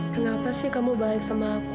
kenapa sih kamu baik sama aku